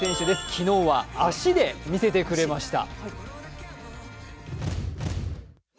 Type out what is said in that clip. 昨日は足で見せてくれました。